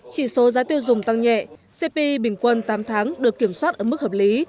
chỉ số giá tiêu dùng tăng nhẹ cpi bình quân tám tháng được kiểm soát ở mức hợp lý